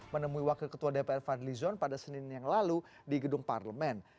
menemui wakil ketua dpr fadli zon pada senin yang lalu di gedung parlemen